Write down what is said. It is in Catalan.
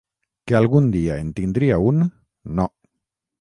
Que algun dia en tindria un, no.